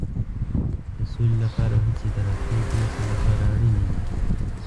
د سولې لپاره هڅې د راتلونکي نسل لپاره اړینې دي.